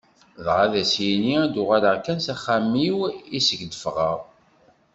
Dɣa ad s-yini: ad uɣaleɣ kan s axxam-iw iseg d-ffɣeɣ.